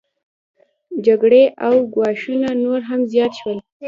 جګړې او ګواښونه نور هم زیات شول